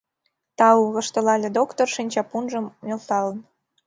— Тау, — воштылале доктыр, шинчапунжым нӧлталын.